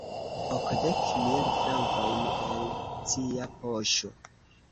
Okdek mil frankojn el cia poŝo!